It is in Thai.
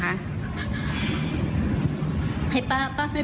เฮ้ยป้าป้าไม่เป็นไรป้าอายุเยอะแล้ว